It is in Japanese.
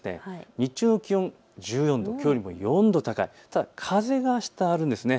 日中の気温１４度きょうよりも４度高いただ風があしたはあるんですね。